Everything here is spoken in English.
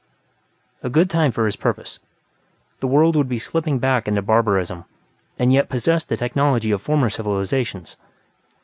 A good time for his purpose: the world would be slipping back into barbarism, and yet possess the technologies of former civilizations.